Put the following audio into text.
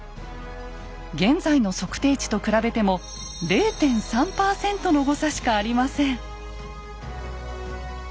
現在の測定値と比べても０．３％の誤差しかありません。